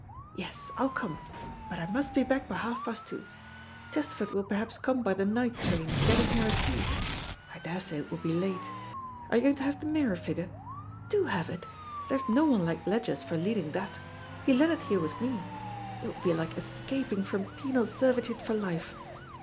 Yes, I'll come, but I must be back by half past two. Chesterford will perhaps come by the night train getting here at two. I daresay it will be late. Are you going to have the mirror figure? Do have it. There's no one like Ledgers for leading that. He led it here with me. It will be like escaping from penal servitude for life.